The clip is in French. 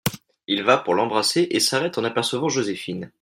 Il va pour l’embrasser et s’arrête en apercevant Joséphine.